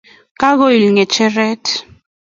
Kagoil ngecheret